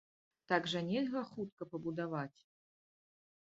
Так жа нельга хутка пабудаваць.